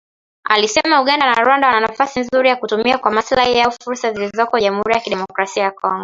alisema Uganda na Rwanda wana nafasi nzuri ya kutumia kwa maslahi yao fursa zilizoko Jamuhuri ya Kidemokrasia ya Kongo